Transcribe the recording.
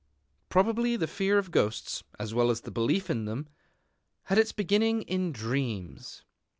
Probably the fear of ghosts, as well as the belief in them, had its beginning in dreams.